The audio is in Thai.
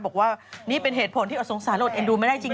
บอกว่านี่เป็นเหตุผลที่อดสงสารอดเอ็นดูไม่ได้จริง